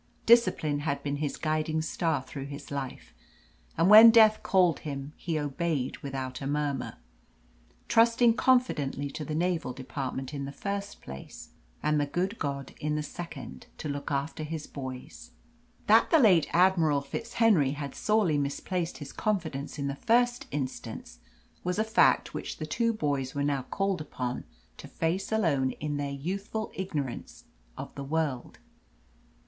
Discipline had been his guiding star through life, and when Death called him he obeyed without a murmur, trusting confidently to the Naval Department in the first place, and the good God in the second, to look after his boys. That the late Admiral FitzHenry had sorely misplaced his confidence in the first instance was a fact which the two boys were now called upon to face alone in their youthful ignorance of the world.